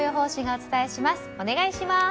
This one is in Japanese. お願いします。